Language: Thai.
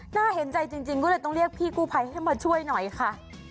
น่าเห็นใจจริงก็เลยต้องเรียกพี่กู้ภัยให้มาช่วยหน่อยค่ะ